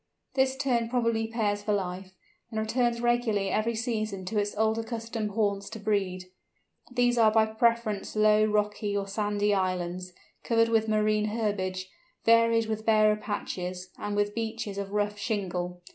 This Tern probably pairs for life, and returns regularly every season to its old accustomed haunts to breed. These are by preference low, rocky, or sandy islands, covered with marine herbage, varied with barer patches, and with beaches of rough shingle.